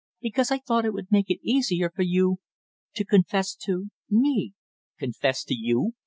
"Because I thought it would make it easier for you to confess to me " "Confess to you?